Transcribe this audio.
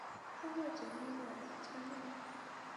楝叶吴萸为芸香科吴茱萸属的植物。